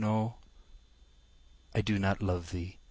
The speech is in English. —no! I do not love thee!